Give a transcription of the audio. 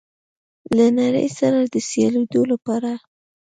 له نړۍ سره د سیالېدو لپاره